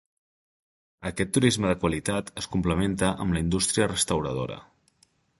Aquest turisme de qualitat es complementa amb la indústria restauradora.